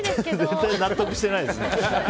全然納得してないですね。